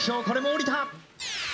これも下りた。